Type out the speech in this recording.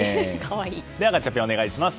ではガチャピン、お願いします。